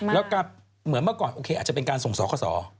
แล้วก็เหมือนเมื่อก่อนโอเคอาจจะเป็นการส่งสอคสอ